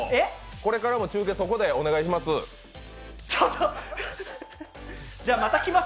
これからも中継、そこでお願いします。